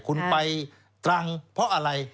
คุณไปตรังเพราะอะไร